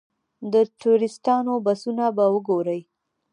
د ټوریسټانو بسونه به وګورئ.